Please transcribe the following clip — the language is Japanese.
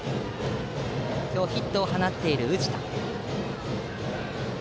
今日、ヒットを放っている宇治田。